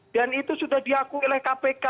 dan itu sudah diakui oleh kpk